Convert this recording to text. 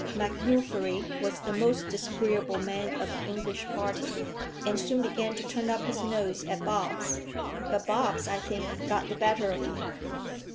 MacNuffery was the most disagreeable man of the English party, and soon began to turn up his nose at Bobbs. But Bobbs, I think, got the better of him.